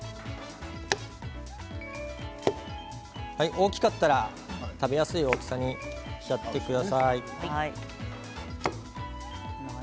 大きかったら食べやすい大きさにしちゃってください。